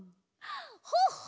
ほっほ！